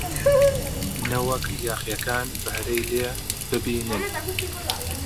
نەوەک یاغییەکان بەهرەی لێ ببینن!